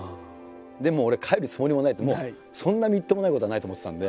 でも俺帰るつもりもないとそんなみっともないことはないと思ってたんで。